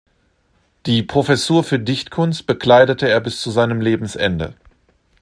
Die Professur für Dichtkunst bekleidete er bis zu seinem Lebensende.